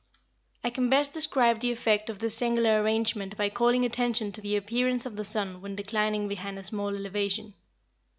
I can best describe the effect of this singular arrangement by calling attention to the appearance of the sun when declining behind a small elevation.